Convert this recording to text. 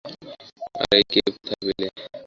আর এই কেপ কোথায় পেলে?